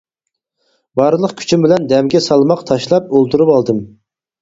بارلىق كۈچۈم بىلەن دەمگە سالماق تاشلاپ ئولتۇرۇۋالدىم.